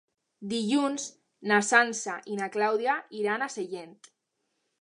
Dilluns na Sança i na Clàudia iran a Sellent.